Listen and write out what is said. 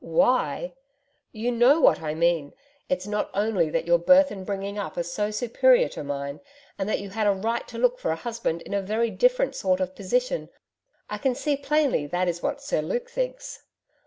'WHY! You know what I mean. It's not only that your birth and bringing up are so superior to mine, and that you had a right to look for a husband in a very different sort of position I can see plainly that is what Sir Luke thinks....'